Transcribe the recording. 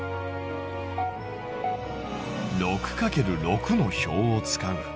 ６×６の表を使う。